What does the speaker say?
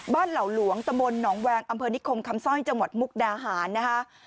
เหล่าหลวงตะมนต์หนองแวงอำเภอนิคมคำสร้อยจังหวัดมุกดาหารนะคะ